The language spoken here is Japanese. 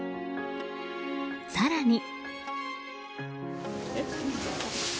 更に。